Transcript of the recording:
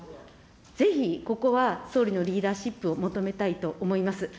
ぜひここは総理のリーダーシップを求めたいと思います。